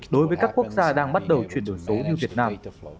đối với các quốc gia đang bắt đầu chuyển đổi số như việt nam